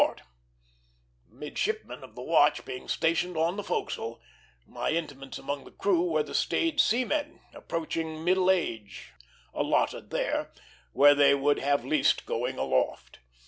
The midshipman of the watch being stationed on the forecastle, my intimates among the crew were the staid seamen, approaching middle age; allotted there, where they would have least going aloft.